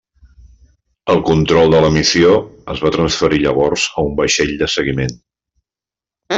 El control de la missió es va transferir llavors a un vaixell de seguiment.